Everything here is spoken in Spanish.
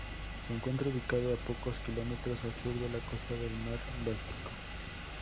Se encuentra ubicado a pocos kilómetros al sur de la costa del mar Báltico.